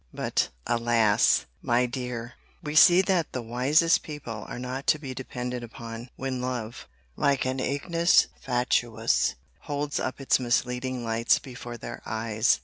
But, alas! my dear, we see that the wisest people are not to be depended upon, when love, like an ignis fatuus, holds up its misleading lights before their eyes.